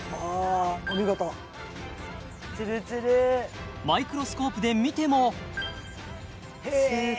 お見事ツルツルマイクロスコープで見てもへえ！